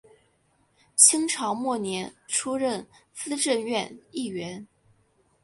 清朝末年出任资政院议员。